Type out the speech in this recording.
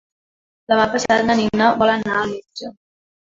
Demà passat na Nina vol anar al metge.